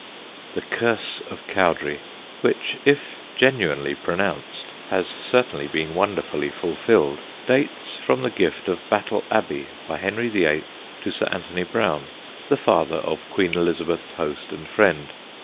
The curse of Cowdray, which, if genuinely pronounced, has certainly been wonderfully fulfilled, dates from the gift of Battle Abbey by Henry VIII. to Sir Anthony Browne, the father of Queen Elizabeth's host and friend.